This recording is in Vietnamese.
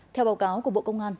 theo báo cáo của bộ công an